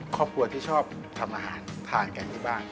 ครอบครัวที่ชอบทำอาหารทานกันที่บ้าน